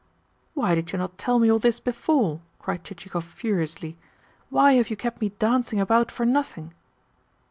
"Why did you not tell me all this before?" cried Chichikov furiously. "Why you have kept me dancing about for nothing?"